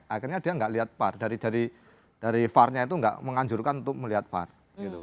akhirnya dia enggak lihat far dari dari dari far nya itu enggak menganjurkan untuk melihat far gitu